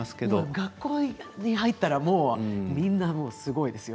学校に入ったらみんなすごいですよ。